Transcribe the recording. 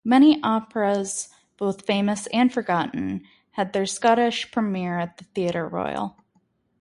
Many operas, both famous and forgotten, had their Scottish premiere at the Theatre Royal.